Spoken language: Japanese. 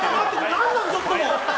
何なのちょっと！